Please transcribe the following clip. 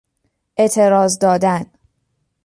اعتراض دادن